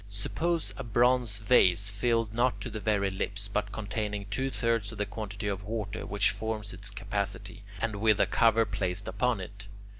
Suppose a bronze vase filled not to the very lips, but containing two thirds of the quantity of water which forms its capacity, and with a cover placed upon it.